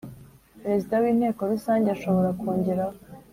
Perezida w Inteko Rusange ashobora kongeraho